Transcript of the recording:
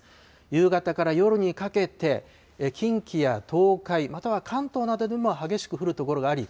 夕方から夜にかけて近畿や東海、または関東などでも激しく降る所があり